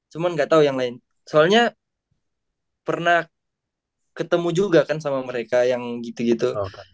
cuma nggak tahu yang lain soalnya pernah ketemu juga kan sama mereka yang gitu gitu